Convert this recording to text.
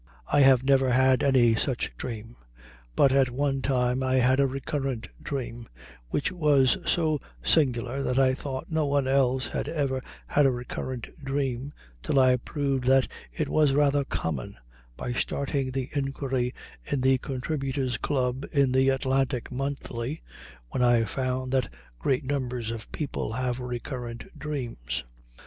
I have never had any such dream, but at one time I had a recurrent dream, which was so singular that I thought no one else had ever had a recurrent dream till I proved that it was rather common by starting the inquiry in the Contributors' Club in the Atlantic Monthly, when I found that great numbers of people have recurrent dreams.